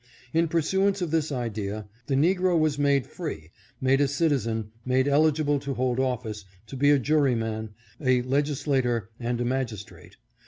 In pursuance of this idea, the negro was made free, made a citizen, made eligible to hold office, to be a jurymen, a legislator, and a magistrate.